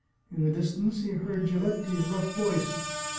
In the distance he heard Giletti's rough voice.